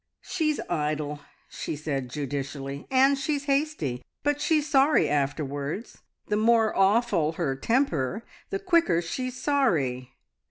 "She's idle," she said judicially, "and she's hasty, but she's sorry afterwards. The more awful her temper, the quicker she's sorry.